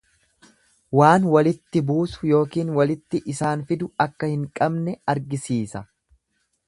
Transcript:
Waan walitti buusu ykn walitti isaan fidu akka hin qabne argisiisa.